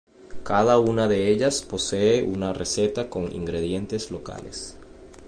Cada una de ellas posee una receta con ingredientes locales.